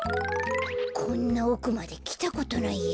こんなおくまできたことないや。